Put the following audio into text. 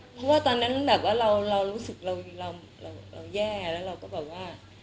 เพราะว่าตอนนั้นแบบว่าเรารู้สึกเราแย่แล้วเราก็แบบว่า